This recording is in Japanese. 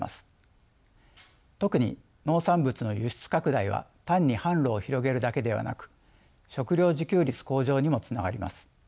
特に農産物の輸出拡大は単に販路を広げるだけではなく食料自給率向上にもつながります。